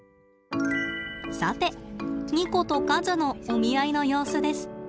さてニコと和のお見合いの様子です。